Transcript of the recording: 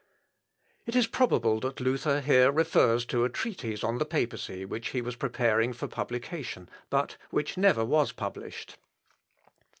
It is probable that Luther here refers to a treatise on the papacy which he was preparing for publication, but which never was published.